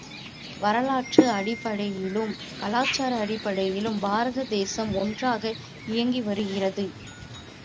வரலாற்று அடிப்படையிலும் கலாச்சார அடிப்படையிலும் பாரத தேசம் ஒன்றாக இயங்கிவருகிறது.